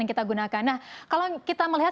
yang kita gunakan nah kalau kita melihat